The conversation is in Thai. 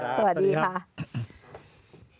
สวัสดีค่ะ